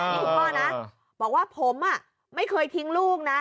นี่คุณพ่อนะบอกว่าผมไม่เคยทิ้งลูกนะ